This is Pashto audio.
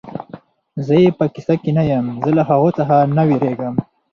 زه یې په کیسه کې نه یم، زه له هغو څخه نه وېرېږم.